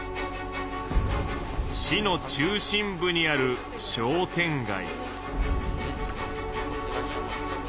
市の中心部にある商店街。